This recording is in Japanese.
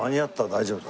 大丈夫だ。